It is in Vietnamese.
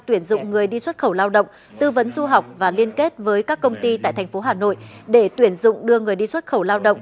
tuyển dụng người đi xuất khẩu lao động tư vấn du học và liên kết với các công ty tại thành phố hà nội để tuyển dụng đưa người đi xuất khẩu lao động